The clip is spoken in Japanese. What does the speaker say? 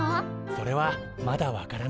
それはまだ分からない。